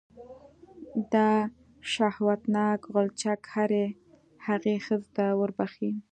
دا شهوتناک غلچک هرې هغې ښځې ته وربښې.